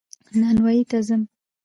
نانوايي ته ځم